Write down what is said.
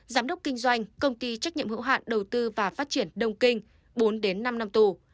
giám đốc kinh doanh công ty trách nhiệm hữu hạn đầu tư và phát triển đông kinh bốn đến năm năm tù